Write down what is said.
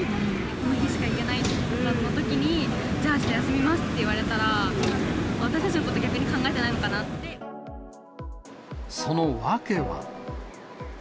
この日しか行けないってなったときに、じゃああした休みますって言われたら、私たちのこと逆その訳は。